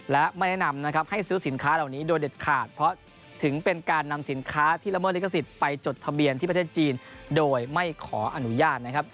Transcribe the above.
และไม่แนะนำนะครับให้ซื้อสินค้าเหล่านี้โดยเด็ดขาดเพราะถึงเป็นการนำสินค้าที่ละเมิดลิขสิทธิ์ไปจดทะเบียนที่ประเทศจีนโดยไม่ขออนุญาตนะครับ